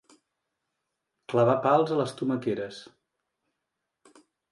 Clavar pals a les tomaqueres.